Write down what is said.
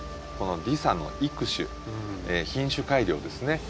このディサの育種品種改良ですね。